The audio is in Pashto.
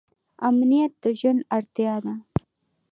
امنیت د ژوند اړتیا ده